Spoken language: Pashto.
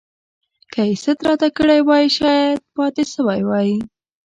که يې ست راته کړی وای شايد پاته سوی وای.